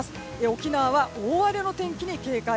沖縄は大荒れの天気に警戒。